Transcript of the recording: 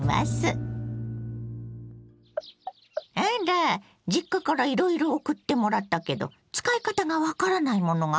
あら実家からいろいろ送ってもらったけど使い方が分からないものがあるって？